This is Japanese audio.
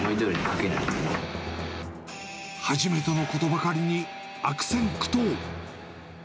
初めてのことばかりに、悪戦苦闘。